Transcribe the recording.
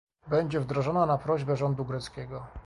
Będzie wdrożona na prośbę rządu greckiego